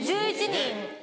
・１１人？